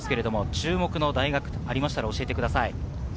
注目の大学がありましたら教えてください。